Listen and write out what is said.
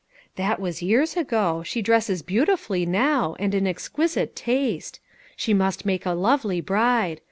" That was years ago ; she dresses beautifully now, and in exquisite taste. She must make a lovely bride.